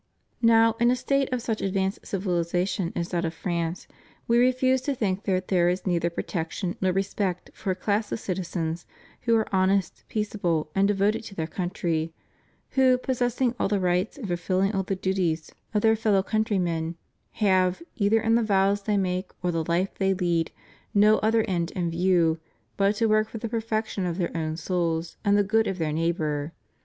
Now, in a State of such advanced civilization as that of France, We refuse to think that there is neither protec tion nor respect for a class of citizens who are honest, peaceable, and devoted to their country, who, possessing all the rights and fulfilling all the duties of their fellow 502 THE RELIGIOUS CONGREGATIONS IN FRANCE. countrymen, have, either in the vows they make or the life they lead, no other end in view but to work for the perfection of their own souls and the good of their neigh bor.